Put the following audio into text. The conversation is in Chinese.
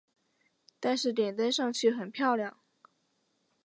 但是点灯上去很漂亮